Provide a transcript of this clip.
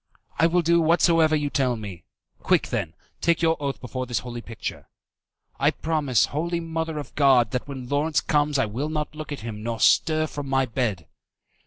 "I will do whatsoever you tell me." "Quick, then, take your oath before this holy picture." "I promise, Holy Mother of God, that when Lawrence comes I will not look at him, nor stir from my bed."